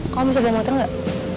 kamu bisa belom motor gak